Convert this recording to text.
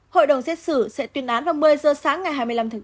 hội đồng xét xử sẽ tuyên án vào một mươi giờ sáng ngày hai mươi năm tháng bốn